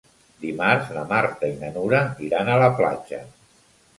Dimarts na Marta i na Nura iran a la platja.